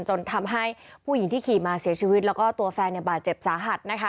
จนทำให้ผู้หญิงที่ขี่มาเสียชีวิตแล้วก็ตัวแฟนบาดเจ็บสาหัสนะคะ